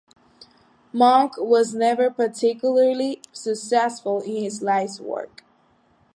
Monk was never particularly successful in his life's work.